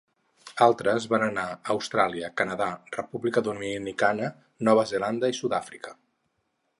Altres van anar a Austràlia, Canadà, República Dominicana, Nova Zelanda i Sud-àfrica.